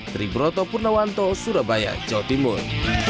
dari broto purnawanto surabaya jawa timur